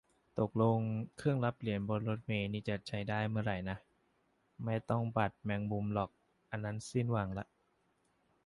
ตกลง เครื่องรับเหรียญบนรถเมล์นี่จะได้ใช้เมื่อไรนะ ไม่ต้องบัตรแมงมุมหรอก อันนั้นสิ้นหวังละ